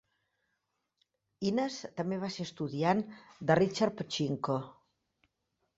Hines també va ser estudiant de Richard Pochinko.